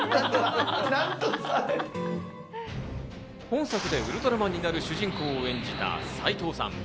本作でウルトラマンになる主人公を演じた斎藤さん。